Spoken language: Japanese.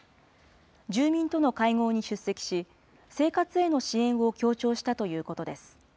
住民との会合に出席し、生活への支援を強調したということです。